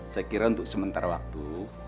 saya kira untuk sementara waktu